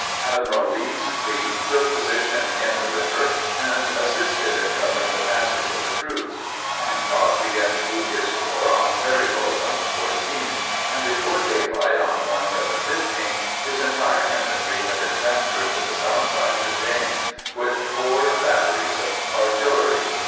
Admiral Lee's fleet took posi tion in the river, and assisted in covering the passage of the troops. Hancock began to move his corps on ferry boats on the 14th, and before daylight on the morning of the 15th his entire infantry had been trans ferred to the south side of the James, with four batter ies of artillery.